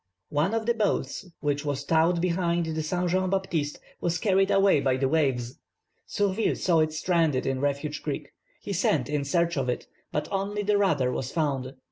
One of the boats which was towed behind the Saint Jean Baptiste was carried away by the waves. Surville saw it stranded in Refuge Creek. He sent in search of it, but only the rudder was found.